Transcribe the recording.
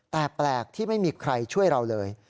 แต่แปลกที่ไม่มีใครช่วยเราเลย